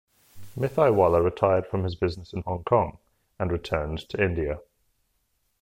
Mithaiwala retired from his businesses in Hong Kong and returned to India.